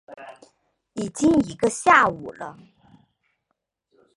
已经一个下午了